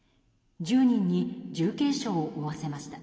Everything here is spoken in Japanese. １０人に重軽傷を負わせました。